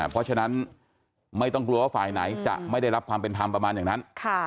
เพราะฉะนั้นไม่ต้องกลัวว่าฝ่ายไหนจะไม่ได้รับความเป็นธรรมประมาณอย่างนั้น